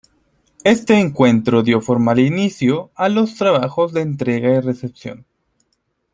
Este encuentro dio formal inicio a los trabajos de entrega y recepción.